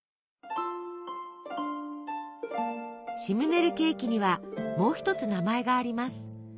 シムネルケーキにはもう一つ名前があります。